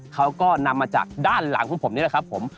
เขาก็นำมาจากด้านหลังของผมนี่แหละครับผม